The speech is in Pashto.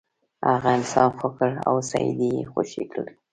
هغه انصاف وکړ او سید یې خوشې کړ.